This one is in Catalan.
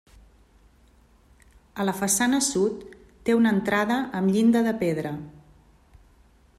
A la façana sud té una entrada amb llinda de pedra.